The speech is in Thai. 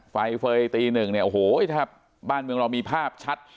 ไฟเฟย์ตีหนึ่งเนี่ยโอ้โหแทบบ้านเมืองเรามีภาพชัด